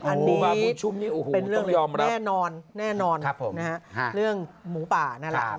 อันนี้เป็นเรื่องแน่นอนเรื่องหมูป่า